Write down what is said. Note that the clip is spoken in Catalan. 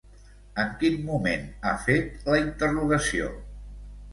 En quin moment ha fet la interrogació?